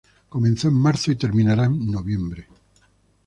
Comenzó en marzo y terminará en noviembre.